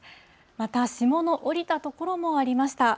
また、霜の降りた所もありました。